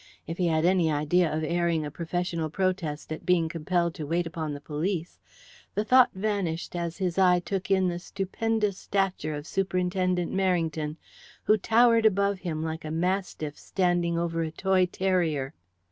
If he had any idea of airing a professional protest at being compelled to wait upon the police, the thought vanished as his eye took in the stupendous stature of Superintendent Merrington, who towered above him like a mastiff standing over a toy terrier.